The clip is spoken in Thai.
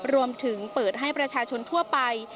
รวมถึงเปิดให้ประชาชนทั่วไป